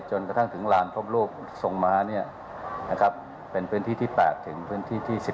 จนกระทั่งถึงลานพรบรูปส่งมาเป็นพื้นที่ที่๘ถึง๑๕